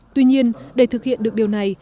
tuy nhiên để thực hiện được điều này